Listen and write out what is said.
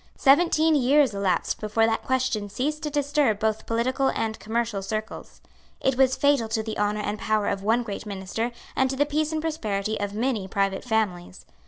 Seventeen years elapsed before that question ceased to disturb both political and commercial circles. It was fatal to the honour and power of one great minister, and to the peace and prosperity of many private families.